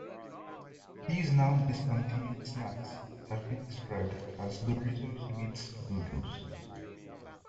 These now discontinued snacks have been described as "Doritos-meets-Bugles".